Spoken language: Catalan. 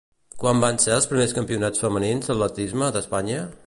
Quan van ser els primers campionats femenins d'atletisme d'Espanya?